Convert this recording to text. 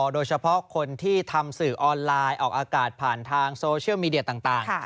โดยเฉพาะคนที่ทำสื่อออนไลน์ออกอากาศผ่านทางโซเชียลมีเดียต่าง